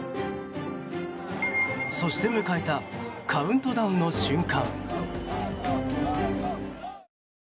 そして迎えたカウントダウンの瞬間。